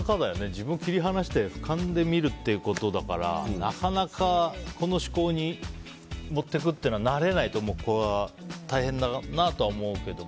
自分を切り離して俯瞰で見るってことだからなかなかこの思考に持っていくのは慣れないと、大変だなとは思うけども。